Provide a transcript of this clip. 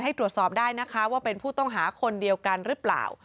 ให้ตรวจสอบได้นะคะว่าเป็นผู้ต้องหาคนเดียวกันหรือเปล่า